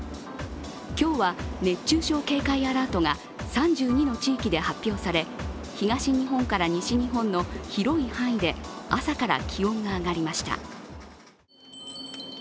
今日は、熱中症警戒アラートが３２の地域で発表され東日本から西日本の広い範囲で朝から気温が上がりました。